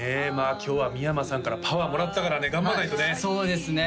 今日は三山さんからパワーもらったからね頑張んないとね